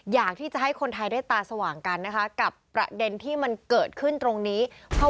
อยากที่จะให้คนไทยได้ตาสว่างกันนะคะกับประเด็นที่มันเกิดขึ้นตรงนี้เพราะ